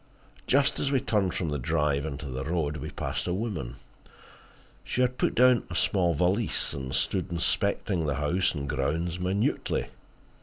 Just as we turned from the drive into the road we passed a woman. She had put down a small valise, and stood inspecting the house and grounds minutely.